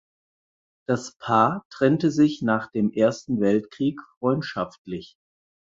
Das Paar trennte sich nach dem Ersten Weltkrieg freundschaftlich.